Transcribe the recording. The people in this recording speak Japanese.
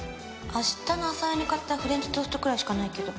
明日の朝用に買ったフレンチトーストくらいしかないけど。